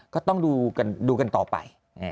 ก็ต้องดูกันต่อไป